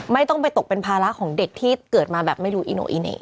ไม่ต้องไปตกเป็นภาระของเด็กที่เกิดมาแบบไม่รู้อิโนอิเน่